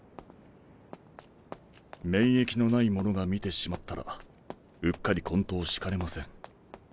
免疫のない者が見てしまったらうっかり昏倒しかねません。